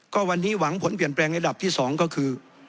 ก็วันนี้หวังผลเปลี่ยนแปลงระดับที่๒ก็คือ